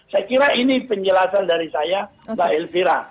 saya kira ini penjelasan dari saya mbak elvira